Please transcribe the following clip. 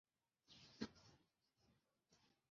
栖息于全世界的热带及亚热带海域。